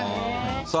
さあ